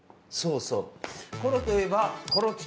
そうそう「ころ」といえば。